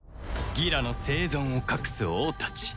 ギラの生存を隠す王たち